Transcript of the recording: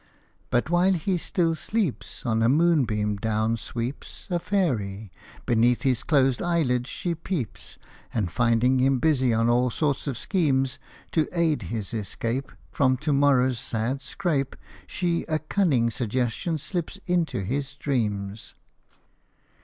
But while he still sleeps, On a moonbeam down sweeps A fairy : beneath his closed eyelids she peeps, And finding him busy on all sorts of schemes, To aid his escape From the morrow's sad scrape, She a cunning suggestion slips into his dreams.